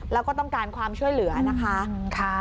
แล้วก็ต้องการความช่วยเหลือนะคะ